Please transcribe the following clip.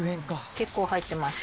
結構入ってますよ。